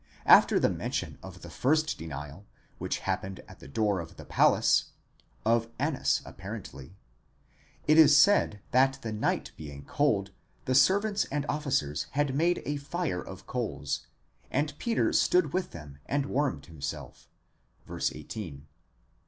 After the mention of the first denial, which happened at the door of the palace (of Annas appar ently), it is said that the night being cold the servants and officers had made a fire of coals, and Peter stood with them and warmed himself, ἦν δὲ καὶ μετ᾽ αὐτῶν 6 Ilérpos ἑστὼς καὶ θερμαινόμενος (v. 18).